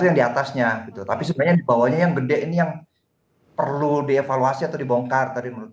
yang diatasnya gitu tapi sebenarnya dibawahnya yang gede ini yang perlu dievaluasi atau dibongkar tadi menurut